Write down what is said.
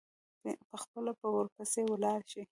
پخپله به ورپسي ولاړ شي.